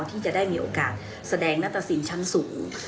ที่จะได้มีโอกาสแสดงนัตตสินชั้นสูง